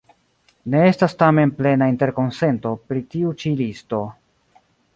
Ne estas tamen plena interkonsento pri tiu ĉi listo.